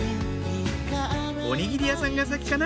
おにぎり屋さんが先かな？